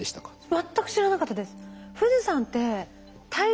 全く知らなかったです。